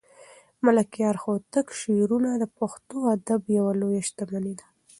د ملکیار هوتک شعرونه د پښتو ادب یوه لویه شتمني ده.